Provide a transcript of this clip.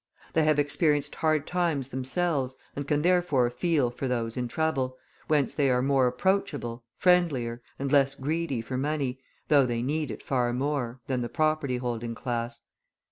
They have experienced hard times themselves, and can therefore feel for those in trouble, whence they are more approachable, friendlier, and less greedy for money, though they need it far more, than the property holding class.